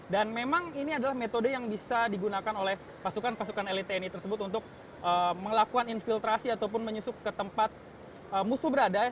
dan memang ini adalah metode yang bisa digunakan oleh pasukan pasukan elit tni tersebut untuk melakukan infiltrasi ataupun menyusup ke tempat musuh berada